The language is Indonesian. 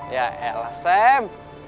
ya elah sam